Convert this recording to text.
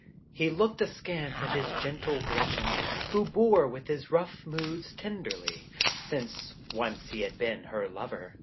He looked askance at his gentle Gretchen, who bore with his rough moods tenderly, since once he had been her lover.